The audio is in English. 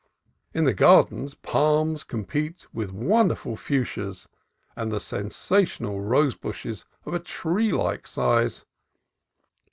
In the gar dens, palms compete with wonderful fuchsias and sensational rose bushes of tree like size.